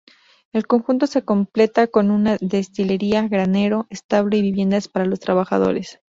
El conjunto se completa con una destilería, granero, establo y viviendas para los trabajadores.